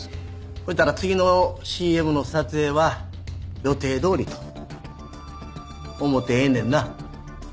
そしたら次のＣＭの撮影は予定どおりと思ってええねんな？